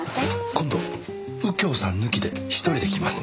今度右京さん抜きで一人で来ますので。